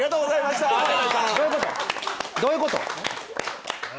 どういうこと？